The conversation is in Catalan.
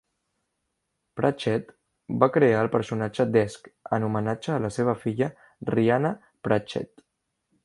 Pratchett va crear el personatge d'Esk en homenatge a la seva filla Rhianna Pratchett.